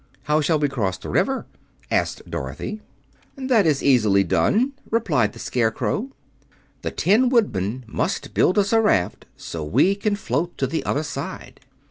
"How shall we cross the river?" asked Dorothy. "That is easily done," replied the Scarecrow. "The Tin Woodman must build us a raft, so we can float to the other side."